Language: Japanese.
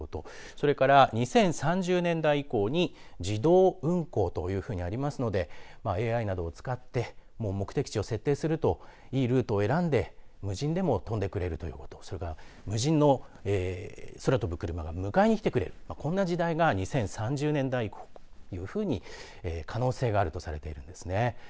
それから２０３０年代以降に自動運航というふうになりますのでＡＩなどを使って目的地を設定するといいルートを選んで無人でも飛んでくれるということそれから無人の空飛ぶクルマが迎えに来てくれるそんな時代が２０３０年代以降というふうに可能性があるとされているんですね。